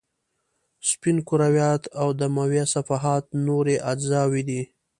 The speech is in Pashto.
سپین کرویات او دمویه صفحات نورې اجزاوې دي.